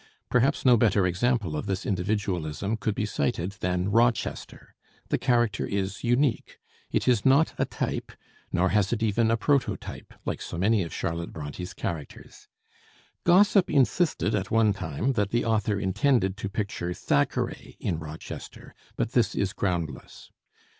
Perhaps no better example of this individualism could be cited than Rochester. The character is unique. It is not a type, nor has it even a prototype, like so many of Charlotte Bronté's characters. Gossip insisted at one time that the author intended to picture Thackeray in Rochester, but this is groundless.